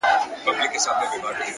څوک چي له گلاب سره ياري کوي _